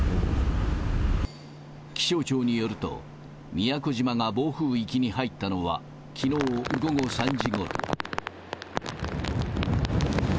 気象庁によると、宮古島が暴風域に入ったのは、きのう午後３時ごろ。